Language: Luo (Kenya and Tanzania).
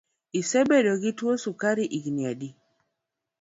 Isebedo gi tuo sukari higni adi?